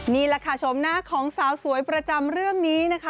นี่แหละค่ะชมหน้าของสาวสวยประจำเรื่องนี้นะคะ